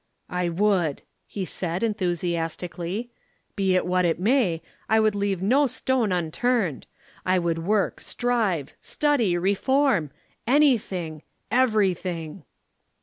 "I would," he said, enthusiastically. "Be it what it may, I would leave no stone unturned. I would work, strive, study, reform anything, everything."